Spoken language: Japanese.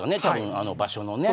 あの場所の。